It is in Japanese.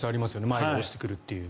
前が押してくるという。